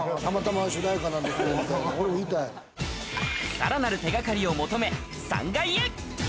さらなる手掛かりを求め、３階へ。